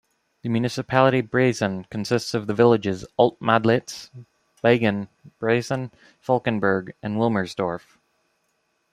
The municipality Briesen consists of the villages Alt Madlitz, Biegen, Briesen, Falkenberg and Wilmersdorf.